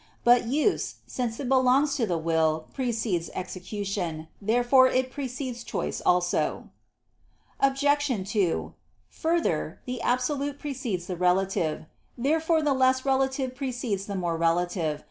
But use, since it belongs to the will, precedes execution. Therefore it precedes choice also. Obj. 2: Further, the absolute precedes the relative. Therefore the less relative precedes the more relative.